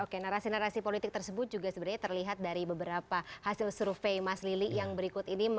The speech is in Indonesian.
oke narasi narasi politik tersebut juga sebenarnya terlihat dari beberapa hasil survei mas lili yang berikut ini